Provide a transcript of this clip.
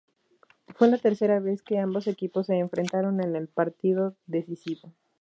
Fue la tercera vez que ambos equipos se enfrentaron en el partido decisivo.